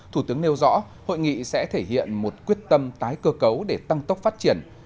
thủ tướng nêu rõ hội nghị sẽ thể hiện một quyết tâm tái cơ cấu để tăng tốc phát triển